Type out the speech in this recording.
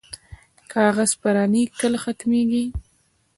کاغذ پراني کله ختمیږي؟